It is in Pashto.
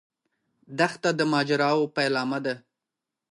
دښته د ماجراوو پیلامه ده.